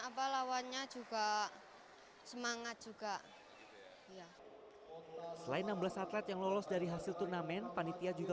apa lawannya juga semangat juga ya selain enam belas atlet yang lolos dari hasil turnamen panitia juga